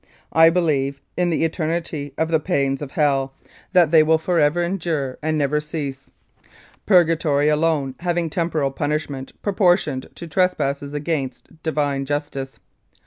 ' I believe in the eternity of the pains of Hell, that they will forever endure 228 Louis Kiel: Executed for Treason and never cease, Purgatory alone having temporal punish ment proportioned to trespasses against Divine Justice.